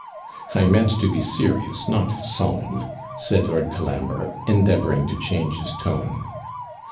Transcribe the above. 'I meant to be serious, not solemn,' said Lord Colambre, endeavouring to change his tone.